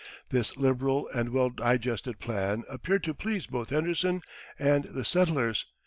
This liberal and well digested plan appeared to please both Henderson and the settlers.